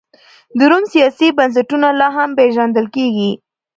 د روم سیاسي بنسټونه لا هم پېژندل کېږي.